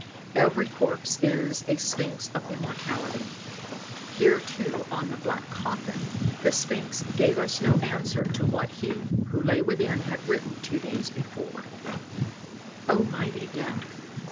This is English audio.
Every corpse is a sphynx of immortality; here too on the black coffin the sphynx gave us no answer to what he who lay within had written two days before: "O mighty Death!